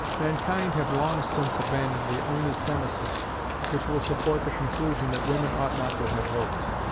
Mankind have long since abandoned the only premises which will support the conclusion that women ought not to have votes.